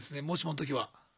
もしものときは。